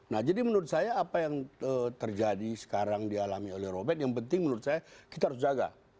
nah jadi menurut saya apa yang terjadi sekarang dialami oleh robert yang penting menurut saya kita harus jaga